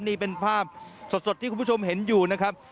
นี่เป็นภาพสดที่คุณผู้ชมเห็นอยู่นะครับ